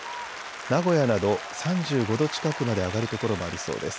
名古屋など３５度近くまで上がる所もありそうです。